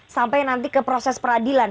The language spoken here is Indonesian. sampai nanti ke proses peradilan